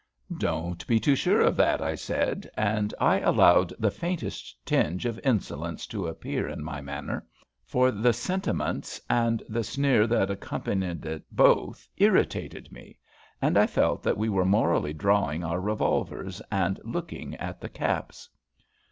"Don't be too sure of that," I said, and I allowed the faintest tinge of insolence to appear in my manner, for the sentiments and the sneer that accompanied it both irritated me, and I felt that we were morally drawing our revolvers, and looking at the caps.